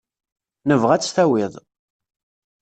Nebɣa ad tt-tawiḍ.